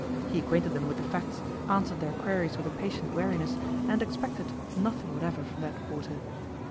He acquainted them with the facts, answered their queries with a patient weariness, and expected nothing whatever from that quarter.